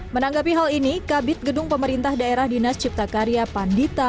menanggapi hal ini kabit gedung pemerintah daerah dinas cipta karya pandita